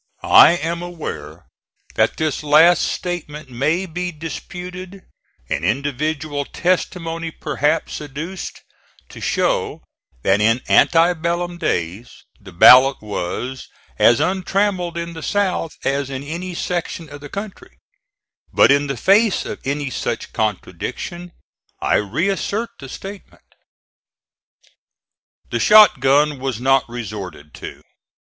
I am aware that this last statement may be disputed and individual testimony perhaps adduced to show that in ante bellum days the ballot was as untrammelled in the south as in any section of the country; but in the face of any such contradiction I reassert the statement. The shot gun was not resorted to.